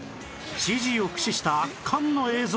ＣＧ を駆使した圧巻の映像